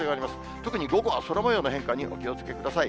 特に午後は空もようの変化にお気をつけください。